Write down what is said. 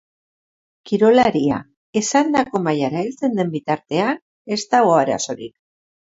Kirolaria esandako mailara heltzen den bitartean ez dago arazorik.